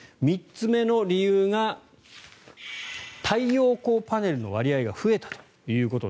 ３つ目の理由が太陽光パネルの割合が増えた。